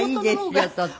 とっても。